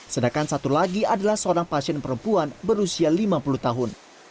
sedangkan satu lagi adalah seorang pasien perempuan berusia lima puluh tahun